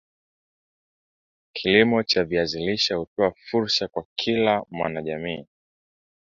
Kilimo cha viazi lishe hutoa fursa kwa kila mwana jamii